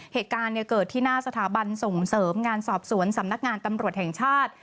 เหตุการณ์เกิดที่หน้าสถาบันส่งเสริมงานสอบสวนสำนักงานตำรวจแห่งชาติ